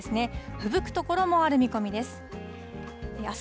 ふぶく所もある見込みです。